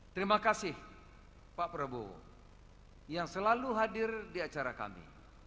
terima kasih pak prabowo yang selalu hadir di acara kami